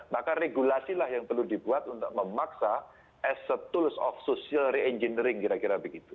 maka regulasilah yang perlu dibuat untuk memaksa as a tools of social re engineering kira kira begitu